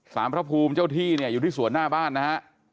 พระภูมิเจ้าที่เนี่ยอยู่ที่สวนหน้าบ้านนะฮะ